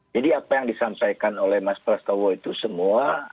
apa yang disampaikan oleh mas prastowo itu semua